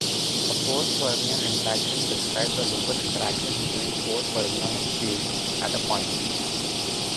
A four-fermion interaction describes a local interaction between four fermionic fields at a point.